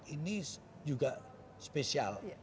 ini juga spesial